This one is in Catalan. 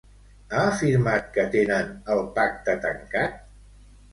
Ha afirmat que tenen el pacte tancat?